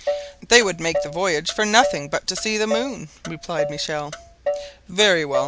"They would make the voyage for nothing but to see the moon!" replied Michel. "Very well!"